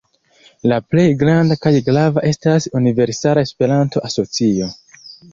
La plej granda kaj grava estas Universala Esperanto-Asocio.